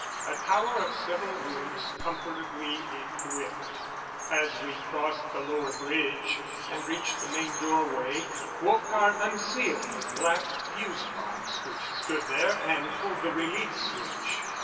A tower of several rooms, comfortably equipped. As we crossed the lower bridge and reached the main doorway, Wolfgar unsealed a black fuse box which stood there, and pulled the relief switch.